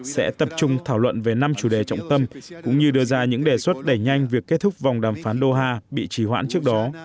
sẽ tập trung thảo luận về năm chủ đề trọng tâm cũng như đưa ra những đề xuất đẩy nhanh việc kết thúc vòng đàm phán doha bị chỉ hoãn trước đó